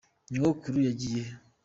Nyogokuru yagiye he?